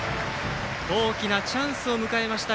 大きなチャンスを迎えました